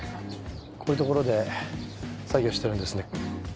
こういうところで作業してるんですね